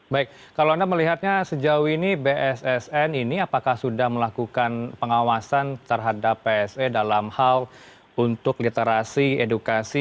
baik kalau anda melihatnya sejauh ini bssn ini apakah sudah melakukan pengawasan terhadap pse dalam hal untuk literasi edukasi